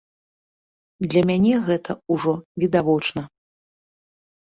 Для мяне гэта ўжо відавочна.